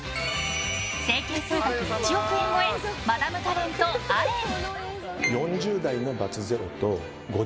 整形総額１億円超えマダムタレント、アレン。